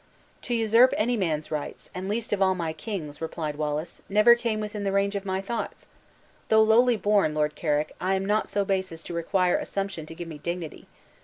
"To usurp any man's rights, and least of all, my king's" replied Wallace, "never came within the range of my thoughts. Though lowly born, Lord Carrick, I am not so base as to require assumption to give me dignity.